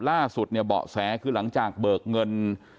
ล่าสุดเนี่ยเบาะแสคือหลังจากเบิกเงิน